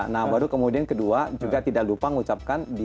nah baru kemudian kedua juga tidak lupa mengucapkan